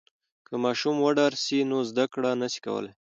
که ماشوم وډار سي نو زده کړه نسي کولای.